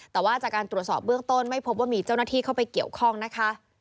แต่ว่าจากการตรวจสอบเบื้องต้นไม่พบว่ามีเจ้าหน้าที่เข้าไปเกี่ยวข้องนะคะ